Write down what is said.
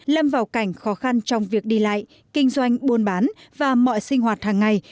lâm vào cảnh khó khăn trong việc đi lại kinh doanh buôn bán và mọi sinh hoạt hàng ngày